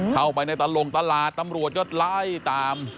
เข้าไปในตลกตลาดตำรวจก็ไล่ตาม